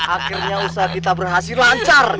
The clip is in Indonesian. akhirnya usaha kita berhasil lancar